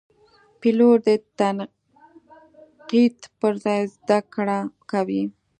پیلوټ د تنقید پر ځای زده کړه کوي.